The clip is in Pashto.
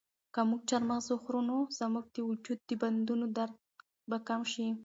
که موږ چهارمغز وخورو نو زموږ د وجود د بندونو درد به کم شي.